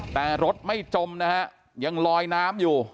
แต่รถไม่จมนะฮะยังลอยน้ำอยู่